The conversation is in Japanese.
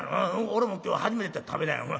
俺も今日初めて食べたんや。